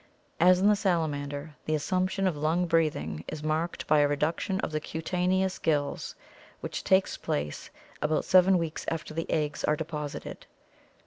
As in the salamander, the assumption of lung breathing is marked by a reduction of the cutaneous gills, which takes place about seven weeks after the eggs are deposited.